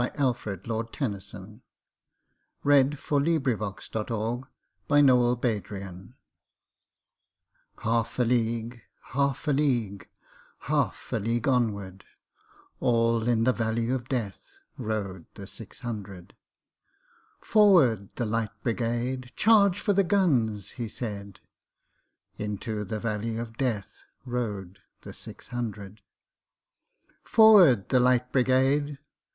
Alfred Tennyson, 1st Baron 1809–92 The Charge of the Light Brigade Tennyson HALF a league, half a league, Half a league onward, All in the valley of DeathRode the six hundred."Forward, the Light Brigade! Charge for the guns!" he said:Into the valley of DeathRode the six hundred."Forward, the Light Brigade!"